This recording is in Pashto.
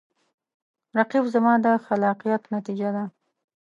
رقیب زما د خلاقیت نتیجه ده